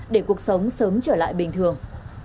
để cuộc sống sớm trở lại bình thường